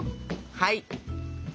はい。